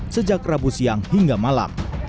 sejak rabu siang hingga malam